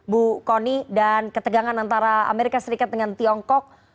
bu kony dan ketegangan antara amerika serikat dengan tiongkok